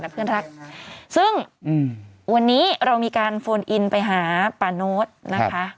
เพื่อนรักซึ่งวันนี้เรามีการโฟนอินไปหาป่าโน้ตนะคะ